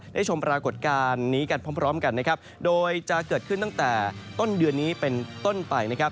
ได้ชมปรากฏการณ์นี้กันพร้อมกันโดยจะเกิดขึ้นตั้งแต่ต้นเดือนนี้เป็นต้นไป